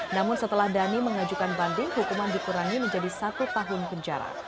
namun setelah dhani mengajukan banding hukuman dikurangi menjadi satu tahun penjara